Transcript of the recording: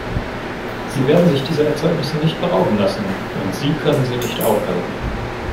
Sie werden sich dieser Erzeugnisse nicht berauben lassen, und Sie können sie nicht aufhalten.